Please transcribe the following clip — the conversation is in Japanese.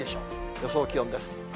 予想気温です。